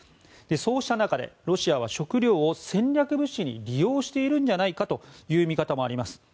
そうした中で、ロシアは食糧を戦略物資に利用しているんじゃないかという見方もあります。